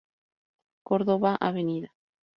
Córdoba, Av.